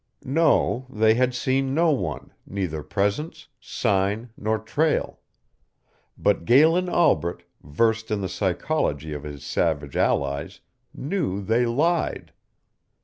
No, they had seen no one, neither presence, sign, nor trail. But Galen Albret, versed in the psychology of his savage allies, knew they lied.